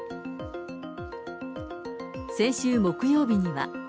先週木曜日には。